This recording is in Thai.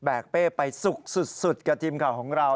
เป้ไปสุกสุดกับทีมข่าวของเรา